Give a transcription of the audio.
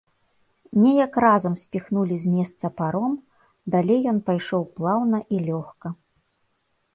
Неяк разам спіхнулі з месца паром, далей ён пайшоў плаўна і лёгка.